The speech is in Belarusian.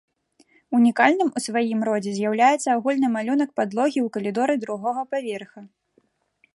Унікальным у сваім родзе з'яўляецца агульны малюнак падлогі ў калідоры другога паверха.